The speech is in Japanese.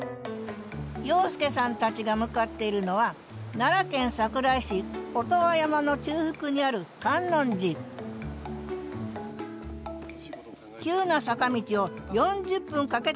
洋輔さんたちが向かっているのは奈良県桜井市音羽山の中腹にある観音寺急な坂道を４０分かけて上るんですって。